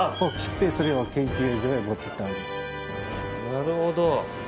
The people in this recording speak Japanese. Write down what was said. なるほど。